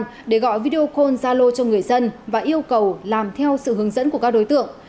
các đối tượng đã gọi video call gia lô cho người dân và yêu cầu làm theo sự hướng dẫn của các đối tượng